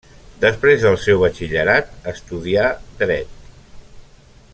Després del seu batxillerat, estudià dret.